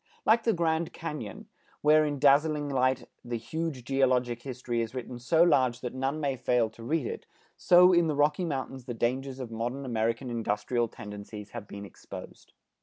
Like the Grand Cañon, where in dazzling light the huge geologic history is written so large that none may fail to read it, so in the Rocky Mountains the dangers of modern American industrial tendencies have been exposed.